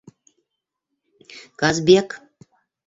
«Казбек»!